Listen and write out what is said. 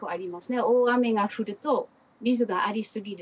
大雨が降ると水がありすぎる。